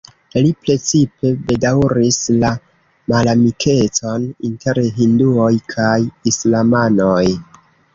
Li precipe bedaŭris la malamikecon inter hinduoj kaj islamanoj.